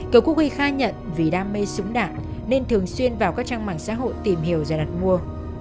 kiều quốc huy khai nhận vì đam mê súng đạn nên thường xuyên vào các trang mạng xã hội tìm hiểu và đặt mua